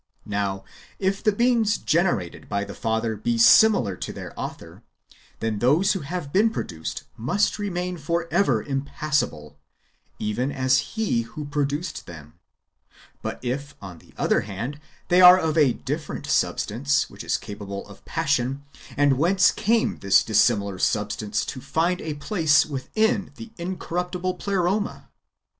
Now, if the beings generated by the Father be similar to their Author, then those who have been produced must remain for ever impassible, even as is He who produced them ; but if, on the other hand, they are of a different substance, which is capable of passion, then whence came this dissimilar substance to find a place within the incorruptible Pleroma?